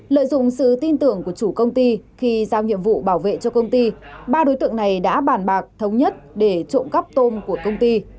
lợi dụng sự tin tưởng của chủ công ty khi giao nhiệm vụ bảo vệ cho công ty ba đối tượng này đã bàn bạc thống nhất để trộm cắp tôm của công ty